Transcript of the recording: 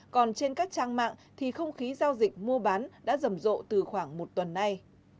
còn trên các trang mạng thì không khí giao dịch mua bán đã rầm rộ từ khoảng một tuần nay